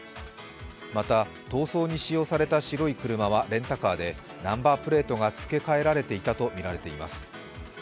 また逃走に使用された白い車はレンタカーでナンバープレートが付け替えられていたとみられています。